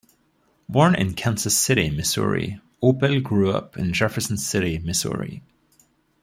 Born in Kansas City, Missouri, Opel grew up in Jefferson City, Missouri.